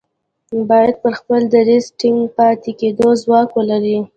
بايد پر خپل دريځ د ټينګ پاتې کېدو ځواک ولري.